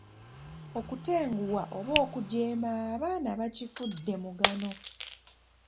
Okutenguwa oba okujeema abaana bakifudde mugano.